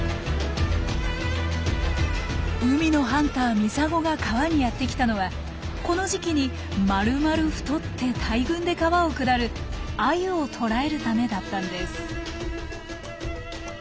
海のハンターミサゴが川にやって来たのはこの時期にまるまる太って大群で川を下るアユを捕らえるためだったんです。